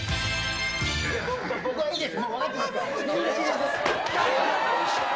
僕はいいです。